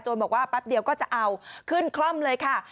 บอกว่าแป๊บเดียวก็จะเอาขึ้นคล่อมเลยค่ะ